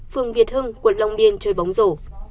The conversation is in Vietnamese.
phường việt hưng quận long điên chơi bóng rổ